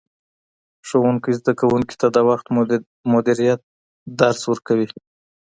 ښوونکی زدهکوونکي ته د وخت مدیریت درس ورکوي.